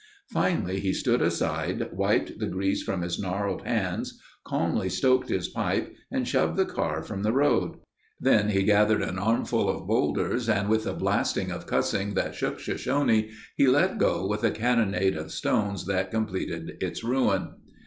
Finally he stood aside, wiped the grease from his gnarled hands, calmly stoked his pipe and shoved the car from the road. Then he gathered an armful of boulders and with a blasting of cussing that shook Shoshone he let go with a cannonade of stones that completed its ruin.